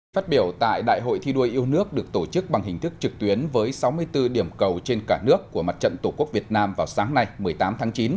phát biểu tại đại hội thi đua yêu nước được tổ chức bằng hình thức trực tuyến với sáu mươi bốn điểm cầu trên cả nước của mặt trận tổ quốc việt nam vào sáng nay một mươi tám tháng chín